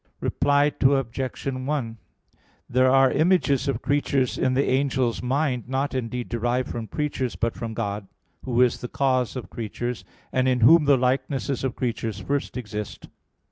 Reply Obj. 1: There are images of creatures in the angel's mind, not, indeed derived from creatures, but from God, Who is the cause of creatures, and in Whom the likenesses of creatures first exist.